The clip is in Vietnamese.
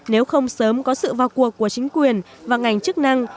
nếu không sớm có sự vào cuộc của chính quyền và ngành chức năng